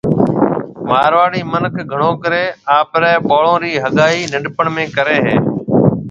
مارواڙي مِنک گھڻو ڪرَي آپرَي ٻاݪون رِي ھگائي ننڊپڻ ۾ ڪرَي ھيَََ